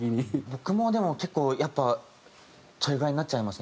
僕もでも結構やっぱそれぐらいになっちゃいますね